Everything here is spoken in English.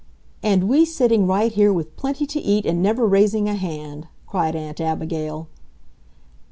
"And we sitting right here with plenty to eat and never raising a hand!" cried Aunt Abigail.